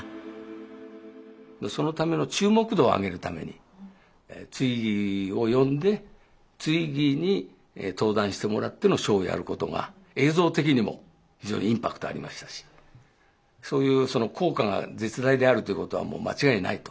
そのための注目度を上げるためにツイッギーを呼んでツイッギーに登壇してもらってのショーをやることが映像的にも非常にインパクトありましたしそういう効果が絶大であるということはもう間違いないと。